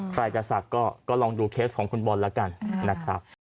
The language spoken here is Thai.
ใครจะศักดิ์ก็ลองดูเคสของคุณบอลแล้วกันนะครับ